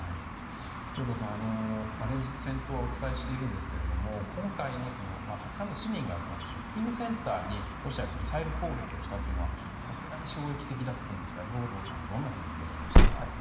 兵頭さん、連日戦闘をお伝えしているんですが今回、たくさんの市民が集まるショッピングセンターにロシアがミサイル攻撃をしたというのはさすがに衝撃的だったんですが兵頭さんはどんなふうに受け止めましたか。